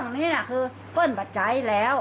หัวเป็นอันเพราะว่าเครื่องนี้น่ะคือเปิ้ลประใจแล้ว